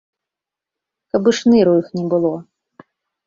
Каб і шныру іх не было.